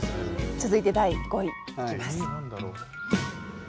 続いて第５位いきます。